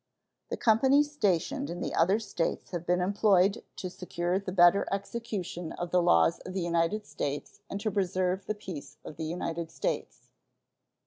The companies stationed in the other States have been employed to secure the better execution of the laws of the United States and to preserve the peace of the United States.